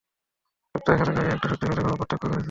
সপ্তাহখানেক আগে, একটা শক্তিশালী ঘূর্নিঝড় প্রত্যক্ষ করেছি।